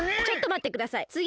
ちょっとまってください！